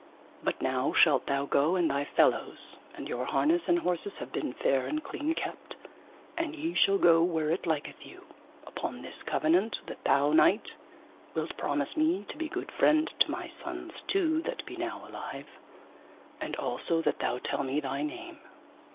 But now shalt thou go and thy fellows, and your harness and horses have been fair and clean kept, and ye shall go where it liketh you, upon this covenant, that thou, knight, wilt promise me to be good friend to my sons two that be now alive, and also that thou tell me thy name.